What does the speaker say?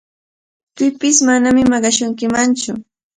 Pipish manami maqashunkimantsu.